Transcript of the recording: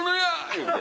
言うて。